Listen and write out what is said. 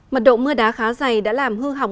mật độ mưa đá khá dày đã làm hư hỏng